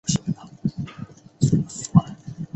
浅圆盘螺为内齿螺科圆盘螺属的动物。